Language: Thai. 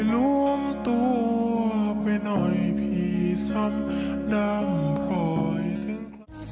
ร่วมตัวไปหน่อยพี่ซ้ำดำคอยถึงความรัก